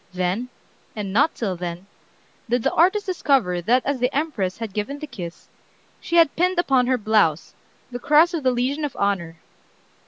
Then, and not till then, did the artist discover that as the Empress had given the kiss, she had pinned upon her blouse the Cross of the Legion of Honor."